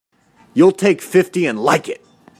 You'll take fifty and like it!